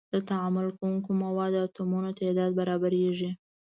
د تعامل کوونکو موادو د اتومونو تعداد برابریږي.